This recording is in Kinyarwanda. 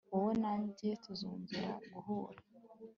wowe na njye tuzongera guhura